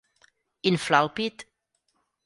Inflar el pit.